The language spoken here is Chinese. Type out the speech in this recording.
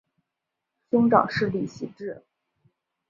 兄长是李袭志。